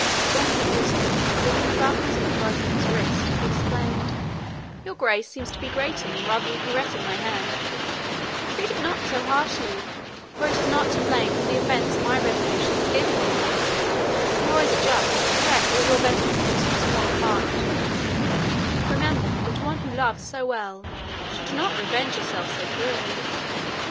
Don Quixote, feeling the roughness of the rope on his wrist, exclaimed, "Your grace seems to be grating rather than caressing my hand; treat it not so harshly, for it is not to blame for the offence my resolution has given you, nor is it just to wreak all your vengeance on so small a part; remember that one who loves so well should not revenge herself so cruelly."